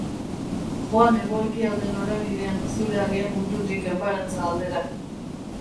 Joan hego-ekialde norabidean zure abiapuntutik enparantza aldera.